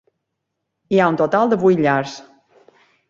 Hi ha un total de vuit llars.